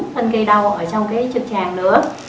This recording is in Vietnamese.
phân gây đau ở trong cái trượt tràn nữa